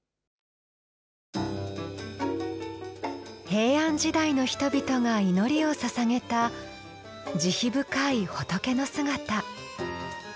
平安時代の人々が祈りをささげた慈悲深い仏の姿。